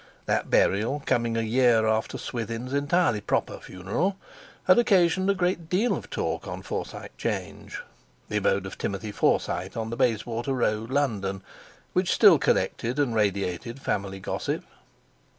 That burial, coming a year after Swithin's entirely proper funeral, had occasioned a great deal of talk on Forsyte 'Change, the abode of Timothy Forsyte on the Bayswater Road, London, which still collected and radiated family gossip.